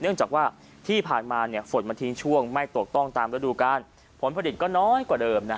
เนื่องจากว่าที่ผ่านมาฝนมันทิ้งช่วงไม่ตกต้องตามระดูการผลผลิตก็น้อยกว่าเดิม